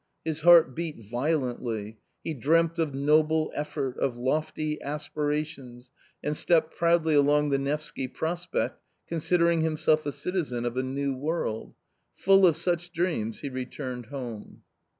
His heart beat violently. He dreamt of noble effort, of lofty aspirations and stepped proudly along the Nevsky Prospect, considering himself a citizen of a new world Full of such dreams, he returned home.